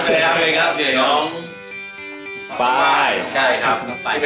ใช่ครับที่เป็นคุณครูครับ